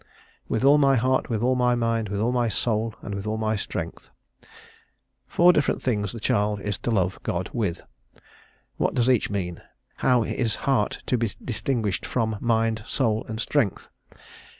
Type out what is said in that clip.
"With all my heart, with all my mind, with all my soul, and with all my strength." Four different things the child is to love God with: What does each mean? How is heart to be distinguished from mind, soul, and strength?